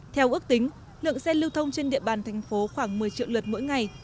theo ước tính lượng xe lưu thông trên địa bàn thành phố khoảng một mươi triệu lượt mỗi ngày